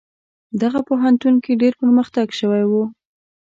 دغه پوهنتون کې ډیر پرمختګ شوی و.